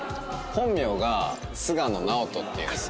本名が菅野ナオトっていうんです。